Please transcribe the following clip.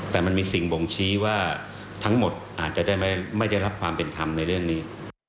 แต่มันมีสิ่งบ่งชี้ว่าทั้งหมดอาจจะได้ไม่ได้รับความเป็นธรรมในเรื่องนี้